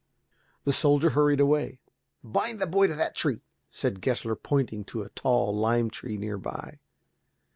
The soldier hurried away. "Bind the boy to that tree," said Gessler, pointing to a tall lime tree near by.